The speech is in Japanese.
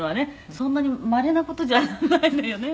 そんなにまれな事じゃないのよね」